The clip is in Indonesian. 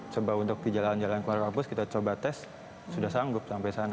coba untuk di jalan jalan keluar kampus kita coba tes sudah sanggup sampai sana